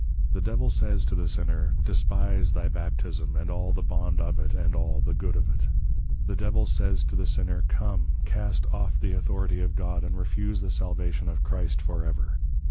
The Devil says to the sinner, Despise thy Baptism, and all the Bond of it, and all the Good of it. The Devil says to the sinner, _Come, cast off the Authority of God, and refuse the Salvation of Christ for ever.